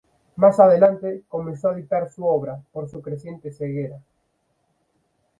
Más adelante, comenzó a dictar su obra, por su creciente ceguera.